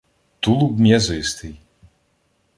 Тулуб м'язистий.